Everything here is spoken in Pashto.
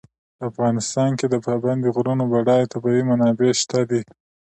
په افغانستان کې د پابندي غرونو بډایه طبیعي منابع شته دي.